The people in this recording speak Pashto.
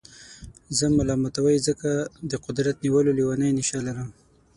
زه ملامتوئ ځکه د قدرت نیولو لېونۍ نېشه لرم.